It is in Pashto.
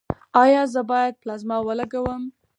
ایا زه باید پلازما ولګوم؟